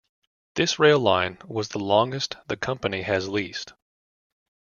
This rail line was the longest the company has leased.